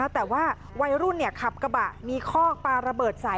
แต่ว่าวัยรุ่นขับกระบะมีคอกปลาระเบิดใส่